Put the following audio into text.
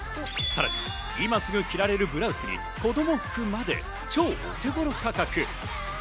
さらに今すぐ着られるブラウスに子供服まで超お手ごろ価格。